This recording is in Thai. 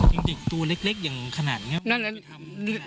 อย่างเด็กตัวเล็กอย่างขนาดนี้